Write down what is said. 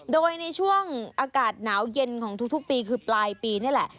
โดยในช่วงอากาศหนาวเย็นของทุกปีคือปลายปีนี่แหละ